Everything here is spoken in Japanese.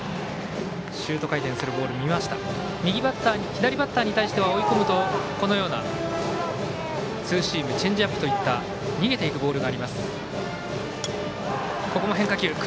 左バッターに対しては追い込むとこのようなツーシームチェンジアップといった逃げていくボールがあります。